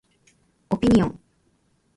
オピニオン